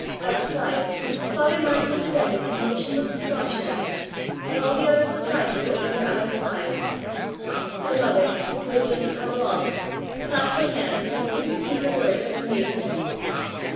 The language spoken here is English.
Outside Father Martin was standing in motionless astonishment, and all the others beside him opened their eyes wide. The mother, who had just come along, clapped her hands and couldn't speak a word from amazement.